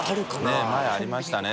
佑前ありましたね